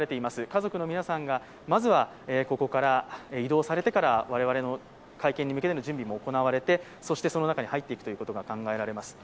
家族の皆さんがまずはここから移動されてから我々の会見に向けての準備も行われて、その中に入っていくことが考えられます。